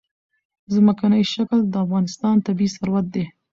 ځمکنی شکل د افغانستان طبعي ثروت دی.